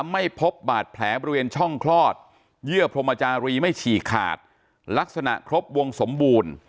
ไม่พบบาดแผลบริเวณช่องคลอดเยื่อพรมจารีไม่ฉีกขาดลักษณะครบวงสมบูรณ์